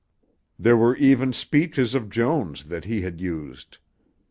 There were even speeches of Joan's that he had used.